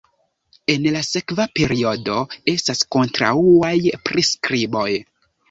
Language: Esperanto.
En la sekva periodo estas kontraŭaj priskriboj.